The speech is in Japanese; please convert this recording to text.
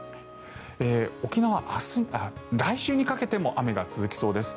沖縄、来週にかけても雨が続きそうです。